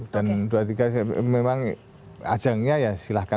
dan dua puluh tiga memang ajangnya ya silahkan